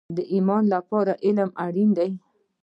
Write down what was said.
د ایمان لپاره علم اړین دی